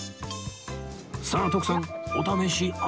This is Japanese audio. さあ徳さんお試しあれ！